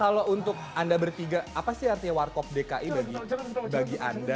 kalau untuk anda bertiga apa sih artinya warkop dki bagi anda